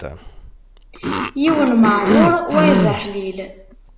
Yiwen maɛduṛ, wayeḍ aḥlil.